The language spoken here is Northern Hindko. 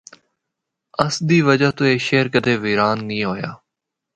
اس دی وجہ تو اے شہر کدی ویران نیں ہویا۔